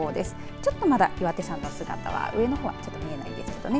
ちょっとまだ岩手山の姿は上のほうは見えないですけどね。